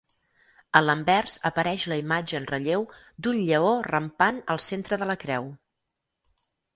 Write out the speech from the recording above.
A l'anvers apareix la imatge en relleu d'un lleó rampant al centre de la creu.